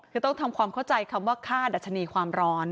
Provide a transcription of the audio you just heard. คือต้องทำความเข้าใจคำว่าค่าดัชนีความร้อน